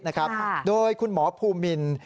ค่ะค่ะครับครับด้วยคุณหมอพูมินน์